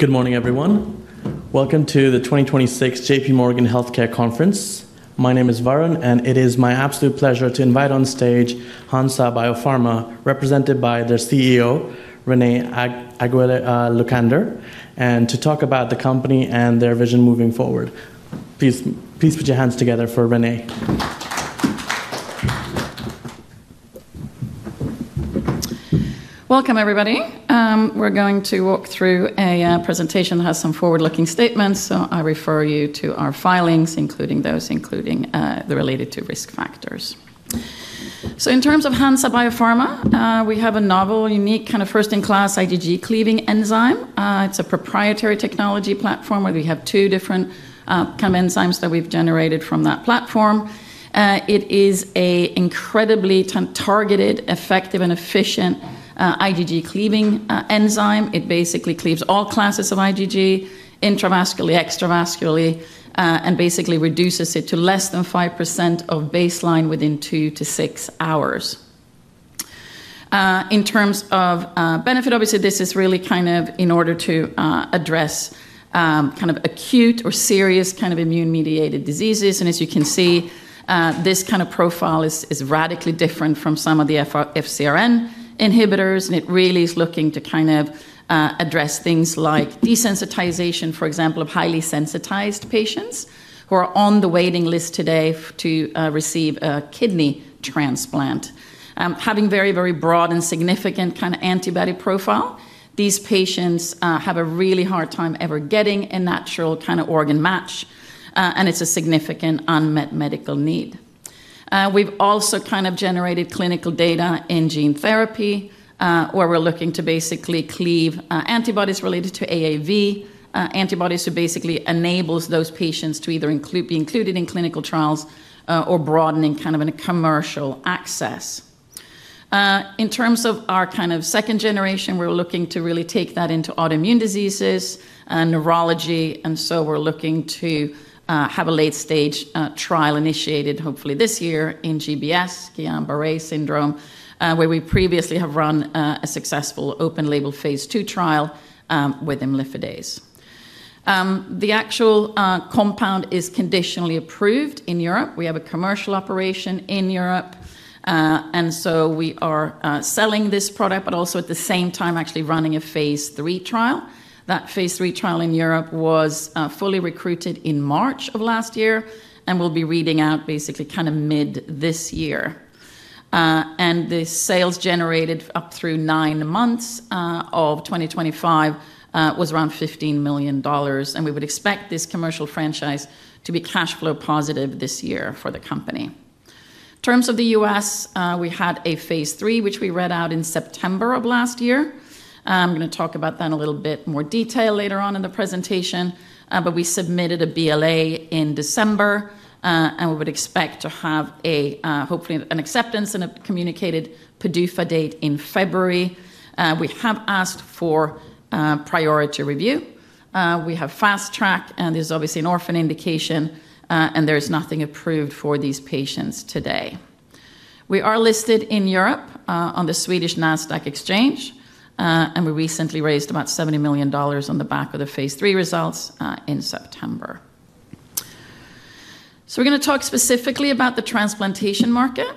Good morning, everyone. Welcome to the 2026 J.P. Morgan Healthcare Conference. My name is Varun, and it is my absolute pleasure to invite on stage Hansa Biopharma, represented by their CEO, Renée Aguiar-Lucander, and to talk about the company and their vision moving forward. Please put your hands together for Renée. Welcome, everybody. We're going to walk through a presentation that has some forward-looking statements, so I refer you to our filings, including those related to risk factors. So in terms of Hansa Biopharma, we have a novel, unique, kind of first-in-class IgG cleaving enzyme. It's a proprietary technology platform where we have two different kinds of enzymes that we've generated from that platform. It is an incredibly targeted, effective, and efficient IgG cleaving enzyme. It basically cleaves all classes of IgG intravascularly, extravascularly, and basically reduces it to less than 5% of baseline within two to six hours. In terms of benefit, obviously, this is really kind of in order to address kind of acute or serious kind of immune-mediated diseases. And as you can see, this kind of profile is radically different from some of the FcRn inhibitors, and it really is looking to kind of address things like desensitization, for example, of highly sensitized patients who are on the waiting list today to receive a kidney transplant. Having a very, very broad and significant kind of antibody profile, these patients have a really hard time ever getting a natural kind of organ match, and it's a significant unmet medical need. We've also kind of generated clinical data in gene therapy, where we're looking to basically cleave antibodies related to AAV antibodies to basically enable those patients to either be included in clinical trials or broadening kind of commercial access. In terms of our kind of second-generation, we're looking to really take that into autoimmune diseases and neurology. And so we're looking to have a late-stage trial initiated, hopefully this year, in GBS, Guillain-Barré syndrome, where we previously have run a successful open-label phase II trial with Imlifidase. The actual compound is conditionally approved in Europe. We have a commercial operation in Europe, and so we are selling this product, but also at the same time actually running a phase III trial. That phase III trial in Europe was fully recruited in March of last year and will be reading out basically kind of mid this year. And the sales generated up through nine months of 2025 was around $15 million, and we would expect this commercial franchise to be cash flow positive this year for the company. In terms of the U.S., we had a phase III, which we read out in September of last year. I'm going to talk about that in a little bit more detail later on in the presentation. But we submitted a BLA in December, and we would expect to have hopefully an acceptance and a communicated PDUFA date in February. We have asked for priority review. We have fast track, and there's obviously an orphan indication, and there is nothing approved for these patients today. We are listed in Europe on the Swedish Nasdaq exchange, and we recently raised about $70 million on the back of the phase III results in September. So we're going to talk specifically about the transplantation market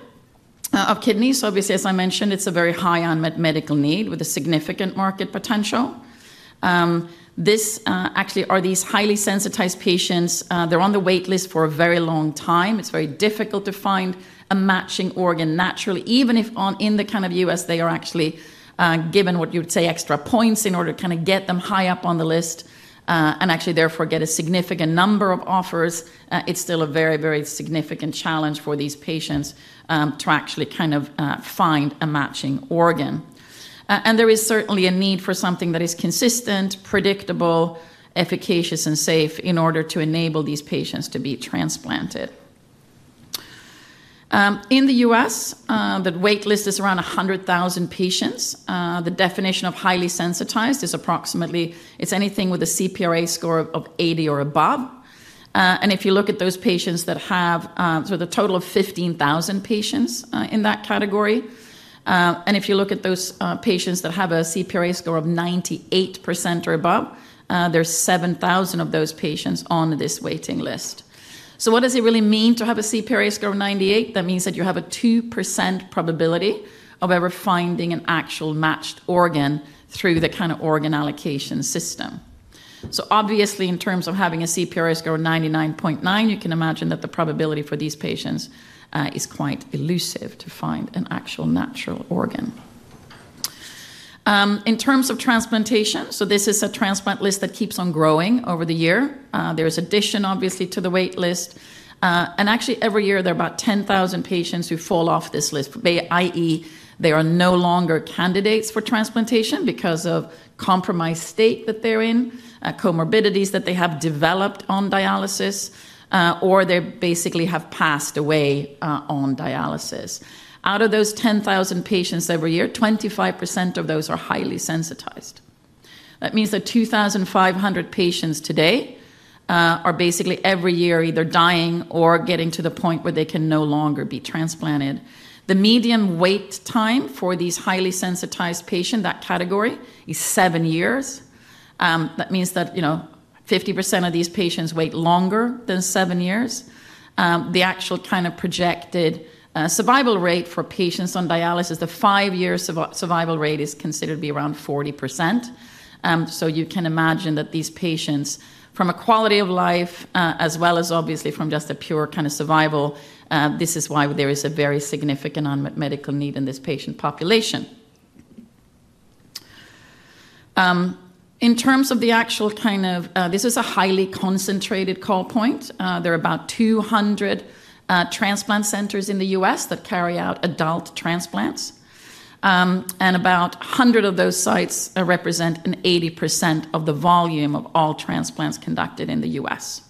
of kidneys. Obviously, as I mentioned, it's a very high unmet medical need with a significant market potential. Actually, these highly sensitized patients, they're on the wait list for a very long time. It's very difficult to find a matching organ naturally. Even if, in the kind of U.S., they are actually given what you would say extra points in order to kind of get them high up on the list and actually therefore get a significant number of offers, it's still a very, very significant challenge for these patients to actually kind of find a matching organ. And there is certainly a need for something that is consistent, predictable, efficacious, and safe in order to enable these patients to be transplanted. In the U.S., the wait list is around 100,000 patients. The definition of highly sensitized is approximately anything with a CPRA score of 80 or above. And if you look at those patients that have a total of 15,000 patients in that category, and if you look at those patients that have a CPRA score of 98% or above, there are 7,000 of those patients on this waiting list. What does it really mean to have a CPRA score of 98? That means that you have a 2% probability of ever finding an actual matched organ through the kind of organ allocation system. Obviously, in terms of having a CPRA score of 99.9, you can imagine that the probability for these patients is quite elusive to find an actual natural organ. In terms of transplantation, this is a transplant list that keeps on growing over the year. There is addition, obviously, to the wait list. Actually, every year, there are about 10,000 patients who fall off this list, i.e., they are no longer candidates for transplantation because of compromised state that they're in, comorbidities that they have developed on dialysis, or they basically have passed away on dialysis. Out of those 10,000 patients every year, 25% of those are highly sensitized. That means that 2,500 patients today are basically every year either dying or getting to the point where they can no longer be transplanted. The median wait time for these highly sensitized patients, that category, is seven years. That means that 50% of these patients wait longer than seven years. The actual kind of projected survival rate for patients on dialysis, the five-year survival rate is considered to be around 40%. So you can imagine that these patients, from a quality of life as well as obviously from just a pure kind of survival, this is why there is a very significant unmet medical need in this patient population. In terms of the actual kind of, this is a highly concentrated call point. There are about 200 transplant centers in the U.S. that carry out adult transplants, and about 100 of those sites represent 80% of the volume of all transplants conducted in the U.S.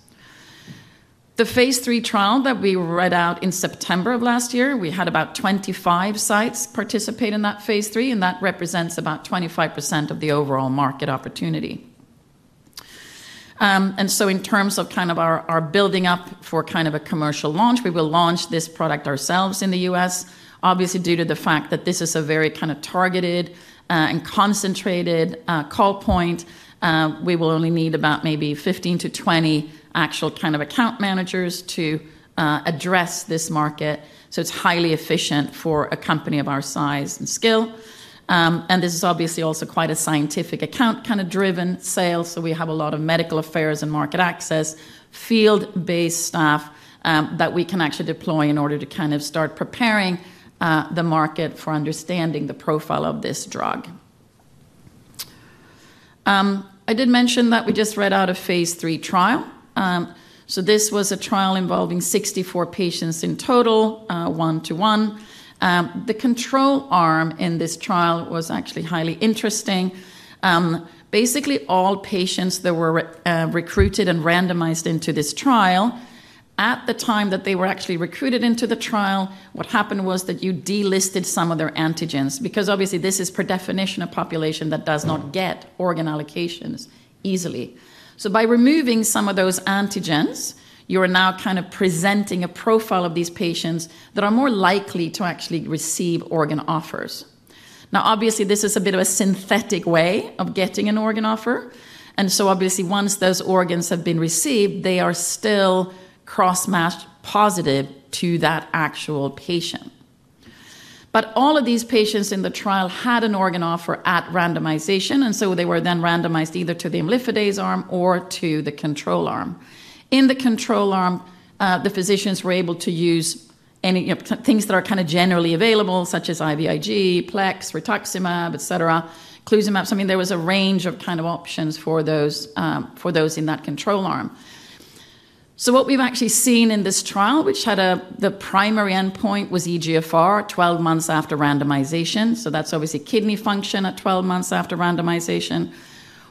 The phase III trial that we read out in September of last year, we had about 25 sites participate in that phase III, and that represents about 25% of the overall market opportunity, and so in terms of kind of our building up for kind of a commercial launch, we will launch this product ourselves in the U.S. Obviously, due to the fact that this is a very kind of targeted and concentrated call point, we will only need about maybe 15-20 actual kind of account managers to address this market, so it's highly efficient for a company of our size and scale, and this is obviously also quite a scientific account kind of driven sale. We have a lot of medical affairs and market access, field-based staff that we can actually deploy in order to kind of start preparing the market for understanding the profile of this drug. I did mention that we just read out a phase III trial. This was a trial involving 64 patients in total, one-to-one. The control arm in this trial was actually highly interesting. Basically, all patients that were recruited and randomized into this trial, at the time that they were actually recruited into the trial, what happened was that you delisted some of their antigens because obviously this is, per definition, a population that does not get organ allocations easily. By removing some of those antigens, you are now kind of presenting a profile of these patients that are more likely to actually receive organ offers. Now, obviously, this is a bit of a synthetic way of getting an organ offer. And so obviously, once those organs have been received, they are still cross-matched positive to that actual patient. But all of these patients in the trial had an organ offer at randomization, and so they were then randomized either to the Imlifidase arm or to the control arm. In the control arm, the physicians were able to use things that are kind of generally available, such as IVIG, Plex, rituximab, et cetera, eculizumab. So I mean, there was a range of kind of options for those in that control arm. So what we've actually seen in this trial, which had the primary endpoint was eGFR 12 months after randomization. So that's obviously kidney function at 12 months after randomization.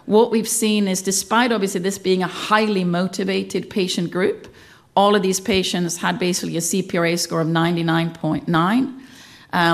What we've seen is, despite obviously this being a highly motivated patient group, all of these patients had basically a CPRA score of 99.9,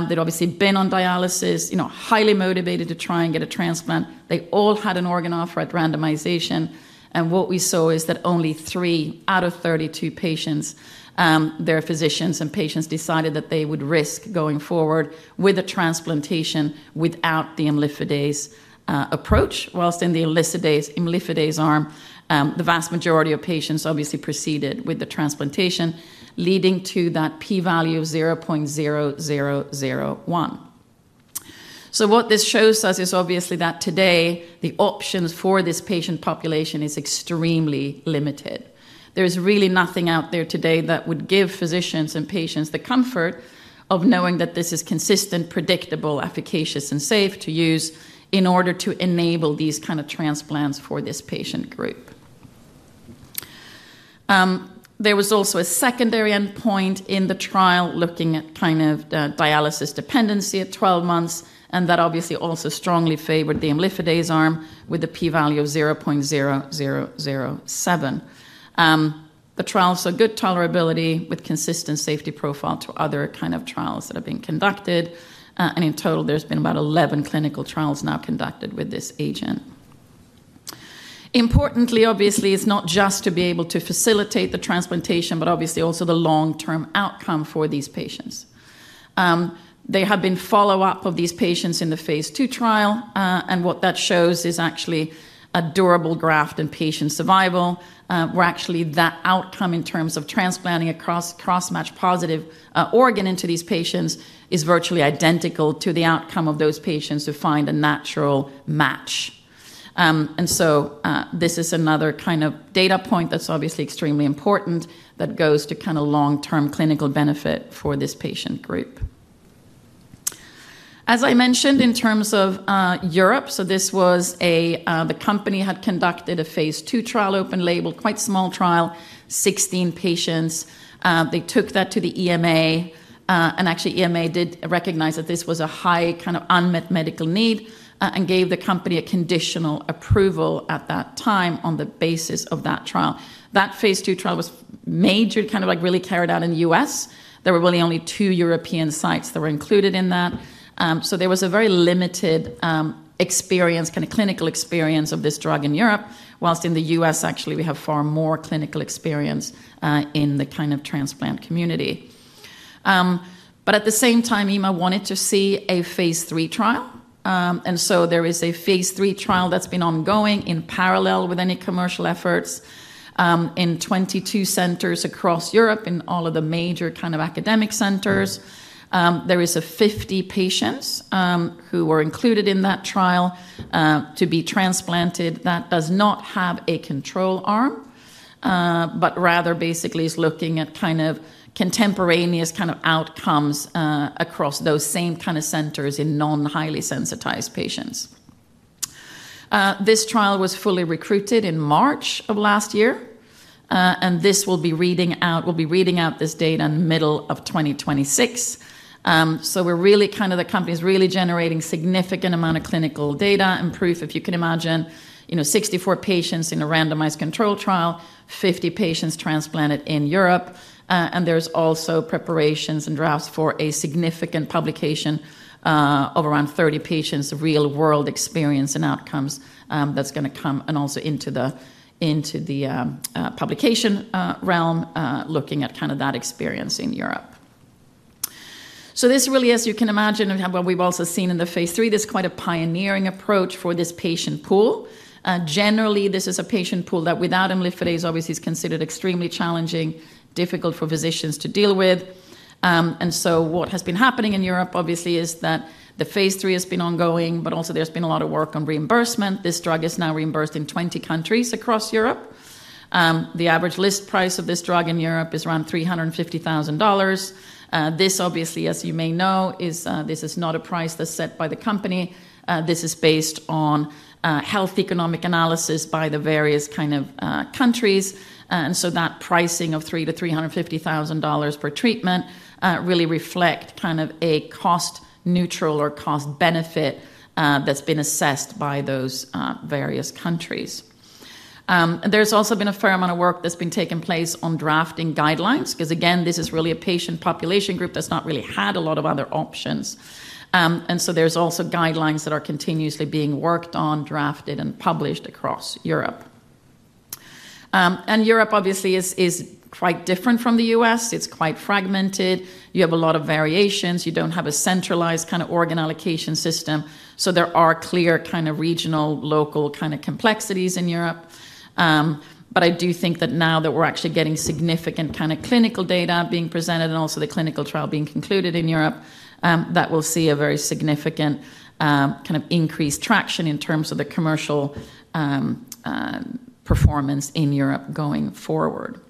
they'd obviously been on dialysis, highly motivated to try and get a transplant. They all had an organ offer at randomization, and what we saw is that only three out of 32 patients, their physicians and patients decided that they would risk going forward with a transplantation without the Imlifidase approach. While in the Imlifidase arm, the vast majority of patients obviously proceeded with the transplantation, leading to that p-value of 0.0001, so what this shows us is obviously that today, the options for this patient population is extremely limited. There is really nothing out there today that would give physicians and patients the comfort of knowing that this is consistent, predictable, efficacious, and safe to use in order to enable these kind of transplants for this patient group. There was also a secondary endpoint in the trial looking at kind of dialysis dependency at 12 months, and that obviously also strongly favored the Imlifidase arm with a p-value of 0.0007. The trial showed good tolerability with consistent safety profile to other kind of trials that have been conducted. And in total, there's been about 11 clinical trials now conducted with this agent. Importantly, obviously, it's not just to be able to facilitate the transplantation, but obviously also the long-term outcome for these patients. There have been follow-up of these patients in the phase II trial, and what that shows is actually a durable graft and patient survival. Where actually that outcome in terms of transplanting a cross-matched positive organ into these patients is virtually identical to the outcome of those patients who find a natural match. And so this is another kind of data point that's obviously extremely important that goes to kind of long-term clinical benefit for this patient group. As I mentioned, in terms of Europe, so this was the company had conducted a phase II trial, open-label, quite small trial, 16 patients. They took that to the EMA, and actually EMA did recognize that this was a high kind of unmet medical need and gave the company a conditional approval at that time on the basis of that trial. That phase II trial was majorly kind of like really carried out in the U.S. There were really only two European sites that were included in that. There was a very limited experience, kind of clinical experience of this drug in Europe, while in the U.S., actually, we have far more clinical experience in the kind of transplant community. But at the same time, EMA wanted to see a phase III trial. And so there is a phase III trial that's been ongoing in parallel with any commercial efforts in 22 centers across Europe in all of the major kind of academic centers. There is 50 patients who were included in that trial to be transplanted. That does not have a control arm, but rather basically is looking at kind of contemporaneous kind of outcomes across those same kind of centers in non-highly sensitized patients. This trial was fully recruited in March of last year, and this will be reading out, we'll be reading out this data in the middle of 2026. So we're really kind of the company is really generating a significant amount of clinical data and proof, if you can imagine, 64 patients in a randomized control trial, 50 patients transplanted in Europe, and there's also preparations and drafts for a significant publication of around 30 patients' real-world experience and outcomes that's going to come and also into the publication realm looking at kind of that experience in Europe, so this really, as you can imagine, what we've also seen in the phase III, there's quite a pioneering approach for this patient pool. Generally, this is a patient pool that without imlifidase obviously is considered extremely challenging, difficult for physicians to deal with, so what has been happening in Europe, obviously, is that the phase III has been ongoing, but also there's been a lot of work on reimbursement. This drug is now reimbursed in 20 countries across Europe. The average list price of this drug in Europe is around $350,000. This obviously, as you may know, this is not a price that's set by the company. This is based on health economic analysis by the various kind of countries, and so that pricing of $300,000-$350,000 per treatment really reflects kind of a cost-neutral or cost-benefit that's been assessed by those various countries. There's also been a fair amount of work that's been taking place on drafting guidelines because, again, this is really a patient population group that's not really had a lot of other options, and so there's also guidelines that are continuously being worked on, drafted, and published across Europe, and Europe obviously is quite different from the U.S. It's quite fragmented. You have a lot of variations. You don't have a centralized kind of organ allocation system. So there are clear kind of regional, local kind of complexities in Europe. But I do think that now that we're actually getting significant kind of clinical data being presented and also the clinical trial being concluded in Europe, that will see a very significant kind of increased traction in terms of the commercial performance in Europe going forward.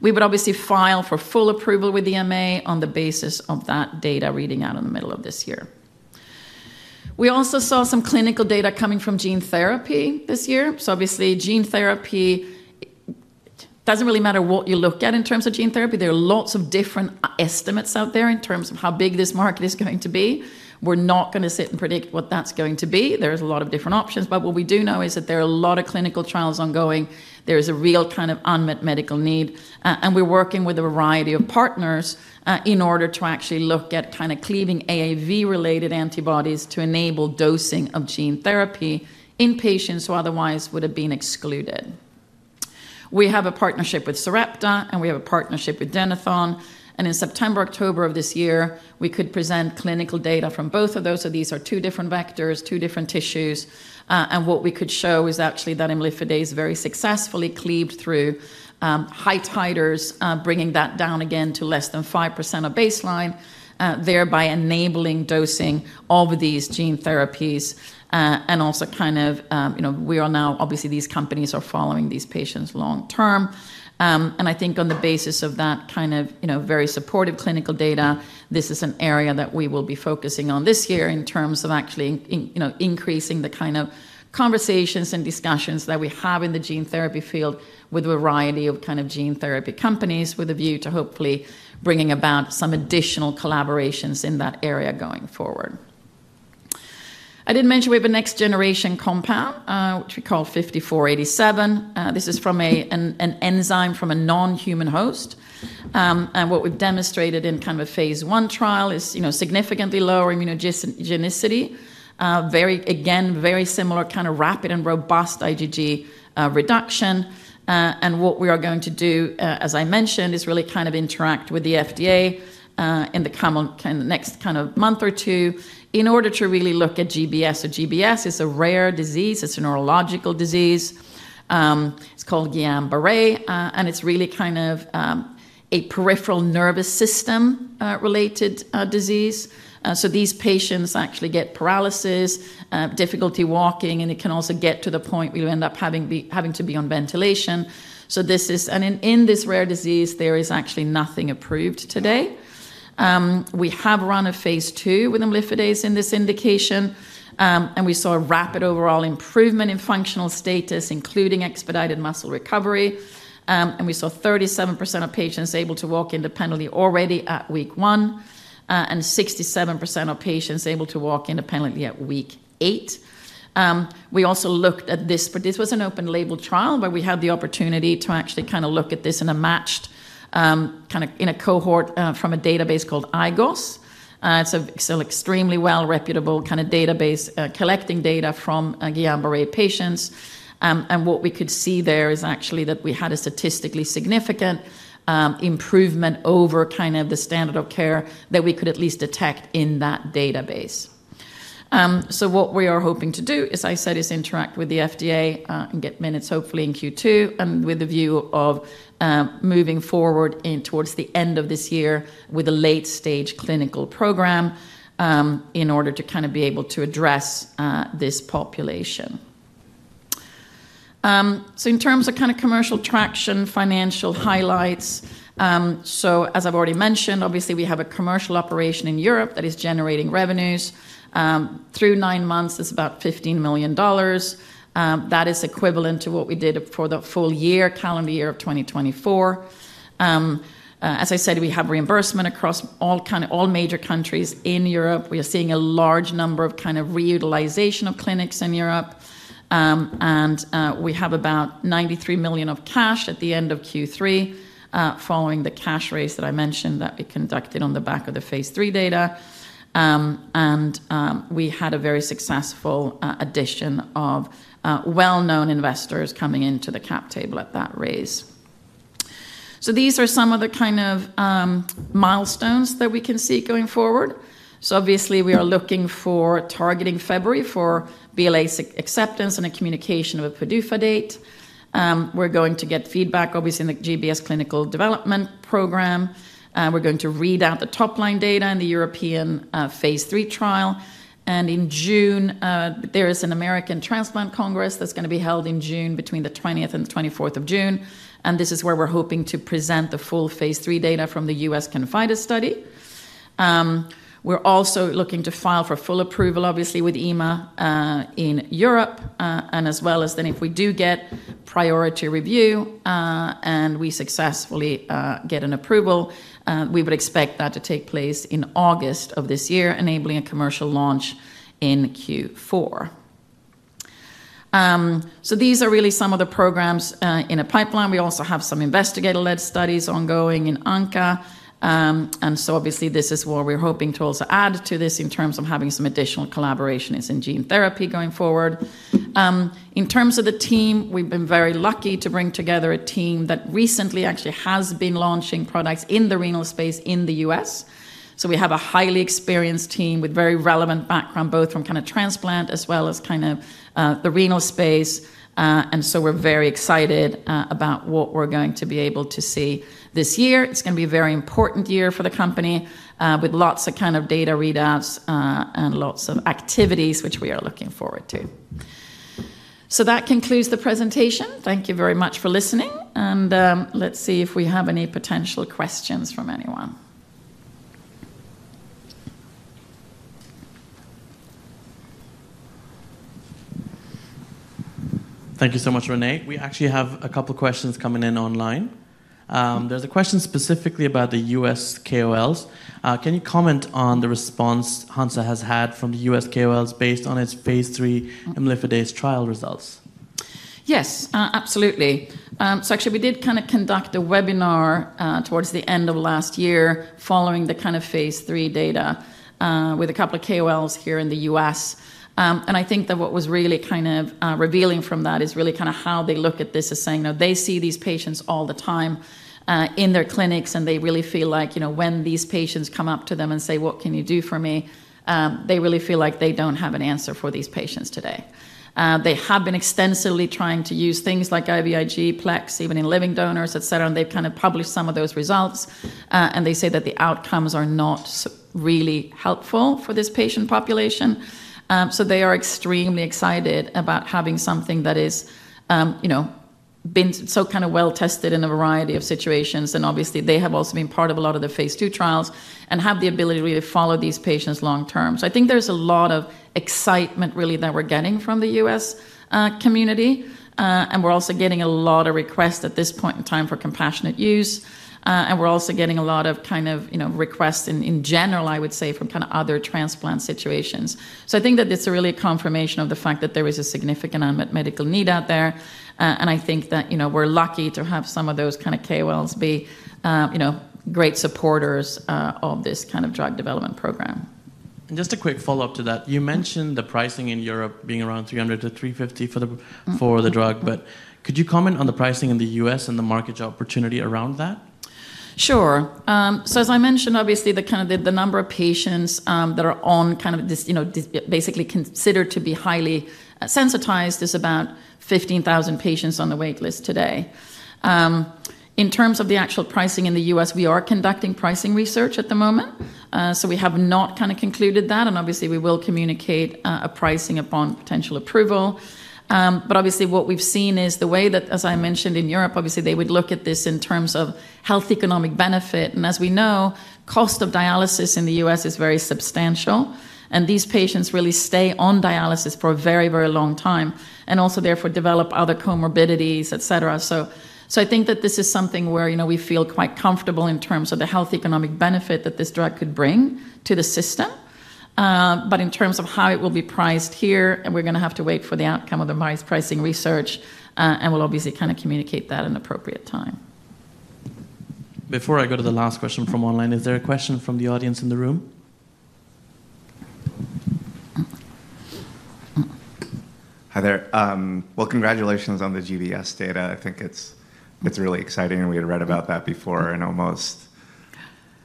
We would obviously file for full approval with EMA on the basis of that data reading out in the middle of this year. We also saw some clinical data coming from gene therapy this year. So obviously, gene therapy doesn't really matter what you look at in terms of gene therapy. There are lots of different estimates out there in terms of how big this market is going to be. We're not going to sit and predict what that's going to be. There's a lot of different options. But what we do know is that there are a lot of clinical trials ongoing. There is a real kind of unmet medical need. And we're working with a variety of partners in order to actually look at kind of cleaving AAV-related antibodies to enable dosing of gene therapy in patients who otherwise would have been excluded. We have a partnership with Sarepta, and we have a partnership with Genéthon. And in September-October of this year, we could present clinical data from both of those. So these are two different vectors, two different tissues. And what we could show is actually that Imlifidase very successfully cleaved through high titers, bringing that down again to less than 5% of baseline, thereby enabling dosing of these gene therapies. And also, kind of, we are now, obviously, these companies are following these patients long-term. And I think, on the basis of that kind of very supportive clinical data, this is an area that we will be focusing on this year in terms of actually increasing the kind of conversations and discussions that we have in the gene therapy field with a variety of kind of gene therapy companies with a view to hopefully bringing about some additional collaborations in that area going forward. I did mention we have a next-generation compound, which we call 5487. This is an enzyme from a non-human host. And what we've demonstrated in kind of a phase I trial is significantly lower immunogenicity, again, very similar kind of rapid and robust IgG reduction. And what we are going to do, as I mentioned, is really kind of interact with the FDA in the next kind of month or two in order to really look at GBS. So GBS is a rare disease. It's a neurological disease. It's called Guillain-Barré, and it's really kind of a peripheral nervous system-related disease. So these patients actually get paralysis, difficulty walking, and it can also get to the point where you end up having to be on ventilation. So this is, and in this rare disease, there is actually nothing approved today. We have run a phase II with Imlifidase in this indication, and we saw a rapid overall improvement in functional status, including expedited muscle recovery. And we saw 37% of patients able to walk independently already at week one, and 67% of patients able to walk independently at week eight. We also looked at this, but this was an open-label trial where we had the opportunity to actually kind of look at this in a matched kind of in a cohort from a database called IGOS. It's an extremely well-reputed kind of database collecting data from Guillain-Barré patients, and what we could see there is actually that we had a statistically significant improvement over kind of the standard of care that we could at least detect in that database, so what we are hoping to do, as I said, is interact with the FDA and get minutes, hopefully in Q2, and with a view of moving forward towards the end of this year with a late-stage clinical program in order to kind of be able to address this population. In terms of kind of commercial traction, financial highlights, as I've already mentioned, obviously, we have a commercial operation in Europe that is generating revenues. Through nine months, it's about $15 million. That is equivalent to what we did for the full year calendar year of 2024. As I said, we have reimbursement across all major countries in Europe. We are seeing a large number of kind of reutilization of clinics in Europe. We have about $93 million of cash at the end of Q3 following the cash raise that I mentioned that we conducted on the back of the phase III data. We had a very successful addition of well-known investors coming into the cap table at that raise. These are some of the kind of milestones that we can see going forward. So obviously, we are looking for targeting February for BLA acceptance and a communication of a PDUFA date. We're going to get feedback, obviously, in the GBS clinical development program. We're going to read out the top-line data in the European phase III trial. And in June, there is an American Transplant Congress that's going to be held in June between the 20th and the 24th of June. And this is where we're hoping to present the full phase III data from the US Confides study. We're also looking to file for full approval, obviously, with EMA in Europe. And as well as then if we do get priority review and we successfully get an approval, we would expect that to take place in August of this year, enabling a commercial launch in Q4. So these are really some of the programs in a pipeline. We also have some investigator-led studies ongoing in ANCA, and so obviously, this is what we're hoping to also add to this in terms of having some additional collaborations in gene therapy going forward. In terms of the team, we've been very lucky to bring together a team that recently actually has been launching products in the renal space in the U.S., so we have a highly experienced team with very relevant background, both from kind of transplant as well as kind of the renal space, and so we're very excited about what we're going to be able to see this year. It's going to be a very important year for the company with lots of kind of data readouts and lots of activities, which we are looking forward to, so that concludes the presentation. Thank you very much for listening. Let's see if we have any potential questions from anyone. Thank you so much, Renée. We actually have a couple of questions coming in online. There's a question specifically about the U.S. KOLs. Can you comment on the response Hansa has had from the U.S. KOLs based on its phase III Imlifidase trial results? Yes, absolutely, so actually, we did kind of conduct a webinar towards the end of last year following the kind of phase III data with a couple of KOLs here in the U.S., and I think that what was really kind of revealing from that is really kind of how they look at this as saying, they see these patients all the time in their clinics, and they really feel like when these patients come up to them and say, "What can you do for me?" They really feel like they don't have an answer for these patients today, they have been extensively trying to use things like IVIG, Plex, even in living donors, etc., and they've kind of published some of those results, and they say that the outcomes are not really helpful for this patient population. So they are extremely excited about having something that has been so kind of well-tested in a variety of situations. And obviously, they have also been part of a lot of the phase II trials and have the ability to really follow these patients long-term. So I think there's a lot of excitement really that we're getting from the U.S. community. And we're also getting a lot of requests at this point in time for compassionate use. And we're also getting a lot of kind of requests in general, I would say, from kind of other transplant situations. So I think that it's really a confirmation of the fact that there is a significant unmet medical need out there. And I think that we're lucky to have some of those kind of KOLs be great supporters of this kind of drug development program. And just a quick follow-up to that. You mentioned the pricing in Europe being around 300-350 for the drug. But could you comment on the pricing in the U.S. and the market opportunity around that? Sure. So as I mentioned, obviously, the kind of number of patients that are on kind of basically considered to be highly sensitized is about 15,000 patients on the wait list today. In terms of the actual pricing in the U.S., we are conducting pricing research at the moment. So we have not kind of concluded that. And obviously, we will communicate a pricing upon potential approval. But obviously, what we've seen is the way that, as I mentioned in Europe, obviously, they would look at this in terms of health economic benefit. And as we know, cost of dialysis in the U.S. is very substantial. And these patients really stay on dialysis for a very, very long time and also therefore develop other comorbidities, etc. I think that this is something where we feel quite comfortable in terms of the health economic benefit that this drug could bring to the system. But in terms of how it will be priced here, we're going to have to wait for the outcome of the pricing research. We'll obviously kind of communicate that in an appropriate time. Before I go to the last question from online, is there a question from the audience in the room? Hi there. Well, congratulations on the GBS data. I think it's really exciting. We had read about that before and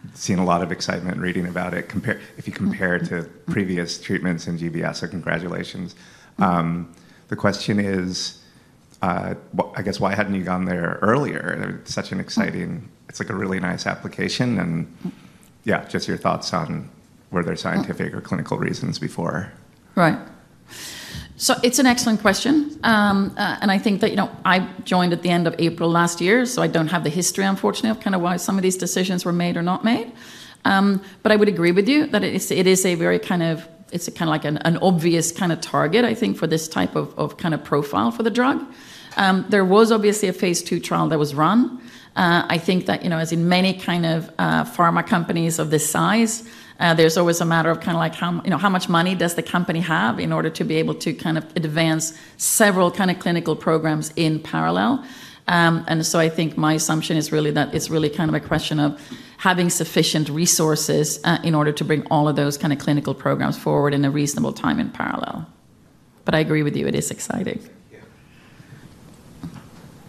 also seen a lot of excitement reading about it. If you compare it to previous treatments in GBS, so congratulations. The question is, I guess, why hadn't you gone there earlier? It's such an exciting, it's like a really nice application. And yeah, just your thoughts on whether there were scientific or clinical reasons before? Right. So it's an excellent question. And I think that I joined at the end of April last year, so I don't have the history, unfortunately, of kind of why some of these decisions were made or not made. But I would agree with you that it is a very kind of, it's kind of like an obvious kind of target, I think, for this type of kind of profile for the drug. There was obviously a phase II trial that was run. I think that, as in many kind of pharma companies of this size, there's always a matter of kind of like how much money does the company have in order to be able to kind of advance several kind of clinical programs in parallel. I think my assumption is really that it's really kind of a question of having sufficient resources in order to bring all of those kind of clinical programs forward in a reasonable time in parallel. But I agree with you. It is exciting.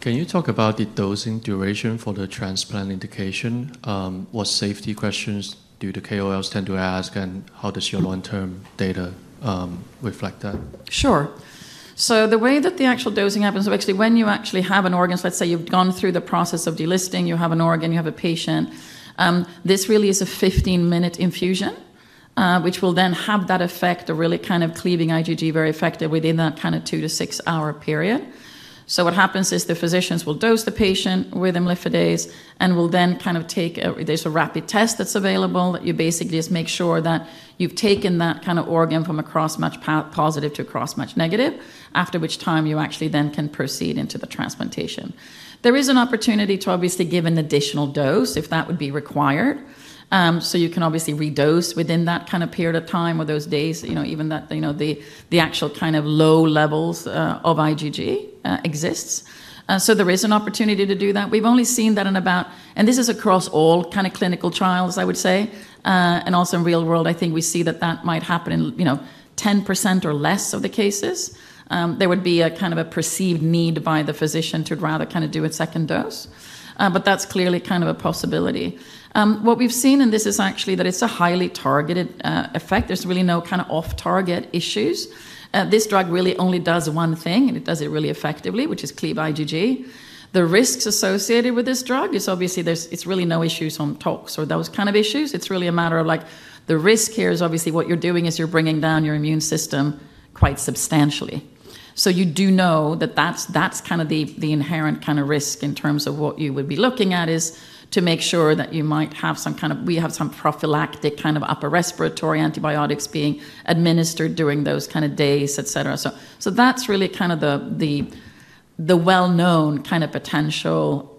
Can you talk about the dosing duration for the transplant indication? What safety questions do the KOLs tend to ask? And how does your long-term data reflect that? Sure. So the way that the actual dosing happens, actually, when you actually have an organ, let's say you've gone through the process of delisting, you have an organ, you have a patient, this really is a 15-minute infusion, which will then have that effect of really kind of cleaving IgG very effectively within that kind of two to six-hour period. So what happens is the physicians will dose the patient with Imlifidase and will then kind of, there's a rapid test that's available that you basically just make sure that you've taken that kind of organ from a cross-match positive to a cross-match negative, after which time you actually then can proceed into the transplantation. There is an opportunity to obviously give an additional dose if that would be required. You can obviously redose within that kind of period of time or those days, even that the actual kind of low levels of IgG exists. There is an opportunity to do that. We've only seen that in about and this is across all kind of clinical trials, I would say. Also in real-world, I think we see that that might happen in 10% or less of the cases. There would be a kind of a perceived need by the physician to rather kind of do a second dose. That's clearly kind of a possibility. What we've seen, and this is actually that it's a highly targeted effect. There's really no kind of off-target issues. This drug really only does one thing, and it does it really effectively, which is cleave IgG. The risks associated with this drug is obviously there's really no issues on tox or those kind of issues. It's really a matter of like the risk here is obviously what you're doing is you're bringing down your immune system quite substantially. So you do know that that's kind of the inherent kind of risk in terms of what you would be looking at is to make sure that you might have some kind of, we have some prophylactic kind of upper respiratory antibiotics being administered during those kind of days, etc. So that's really kind of the well-known kind of potential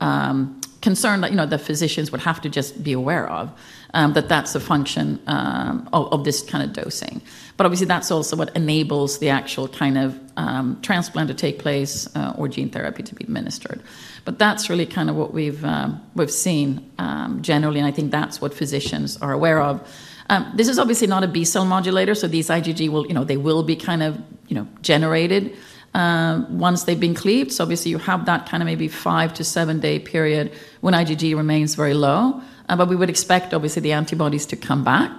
concern that the physicians would have to just be aware of, that that's the function of this kind of dosing. But obviously, that's also what enables the actual kind of transplant to take place or gene therapy to be administered. But that's really kind of what we've seen generally. And I think that's what physicians are aware of. This is obviously not a B-cell modulator. So these IgG, they will be kind of generated once they've been cleaved. So obviously, you have that kind of maybe five- to seven-day period when IgG remains very low. But we would expect, obviously, the antibodies to come back.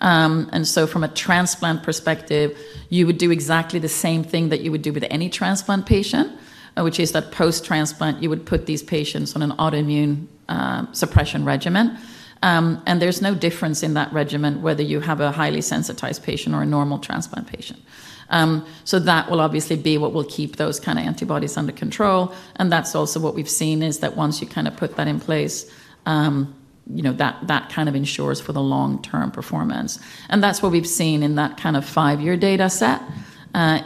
And so from a transplant perspective, you would do exactly the same thing that you would do with any transplant patient, which is that post-transplant, you would put these patients on an autoimmune suppression regimen. And there's no difference in that regimen whether you have a highly sensitized patient or a normal transplant patient. So that will obviously be what will keep those kind of antibodies under control. And that's also what we've seen is that once you kind of put that in place, that kind of ensures for the long-term performance. That's what we've seen in that kind of five-year data set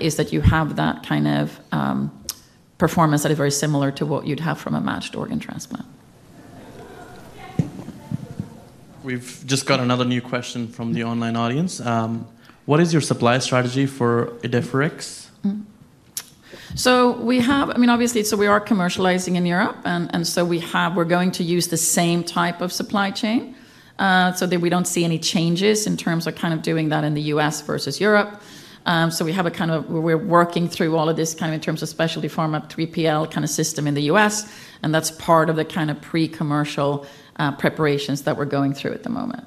is that you have that kind of performance that is very similar to what you'd have from a matched organ transplant. We've just got another new question from the online audience. What is your supply strategy for Idefirix? So we have, I mean, obviously, so we are commercializing in Europe. And so we're going to use the same type of supply chain so that we don't see any changes in terms of kind of doing that in the U.S. versus Europe. So we have a kind of where we're working through all of this kind of in terms of Specialty Pharma 3PL kind of system in the U.S. And that's part of the kind of pre-commercial preparations that we're going through at the moment.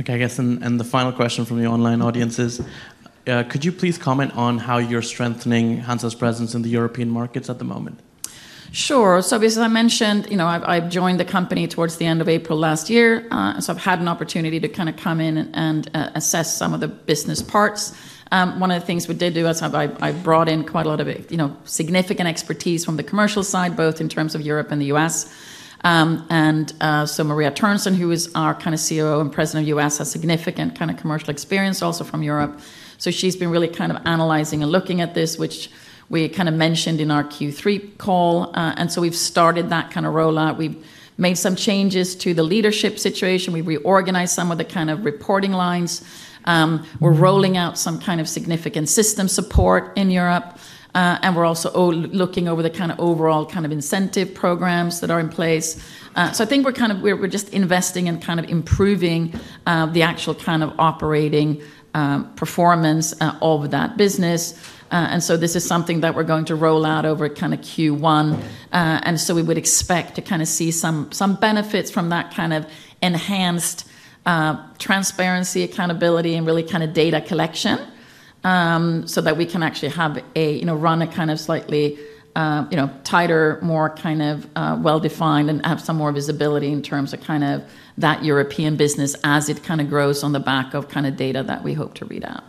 Okay, I guess. And the final question from the online audience is, could you please comment on how you're strengthening Hansa's presence in the European markets at the moment? Sure. So obviously, as I mentioned, I joined the company towards the end of April last year, so I've had an opportunity to kind of come in and assess some of the business parts. One of the things we did do is I brought in quite a lot of significant expertise from the commercial side, both in terms of Europe and the U.S., and so Maria Törnsén, who is our kind of COO and President of the U.S., has significant kind of commercial experience also from Europe, so she's been really kind of analyzing and looking at this, which we kind of mentioned in our Q3 call, and so we've started that kind of rollout. We've made some changes to the leadership situation. We've reorganized some of the kind of reporting lines. We're rolling out some kind of significant system support in Europe. And we're also looking over the kind of overall kind of incentive programs that are in place. So I think we're kind of just investing in kind of improving the actual kind of operating performance of that business. And so this is something that we're going to roll out over kind of Q1. And so we would expect to kind of see some benefits from that kind of enhanced transparency, accountability, and really kind of data collection so that we can actually run a kind of slightly tighter, more kind of well-defined and have some more visibility in terms of kind of that European business as it kind of grows on the back of kind of data that we hope to read out.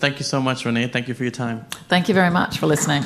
Thank you so much, Renée. Thank you for your time. Thank you very much for listening.